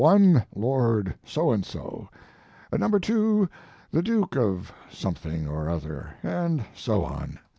i, Lord So and so; No. 2, the Duke of Something or other, and so on.